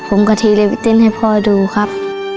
ผมก็ทีลิฟต์ติ้นให้พ่อดูครับ